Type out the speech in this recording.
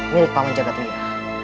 milik paman jagadwira